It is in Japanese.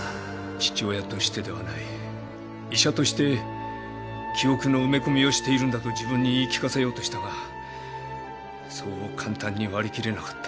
父親としてではない医者として記憶の埋め込みをしているんだと自分に言い聞かせようとしたがそう簡単に割り切れなかった。